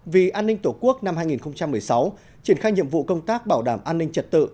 vì an ninh tổ quốc năm hai nghìn một mươi sáu triển khai nhiệm vụ công tác bảo đảm an ninh trật tự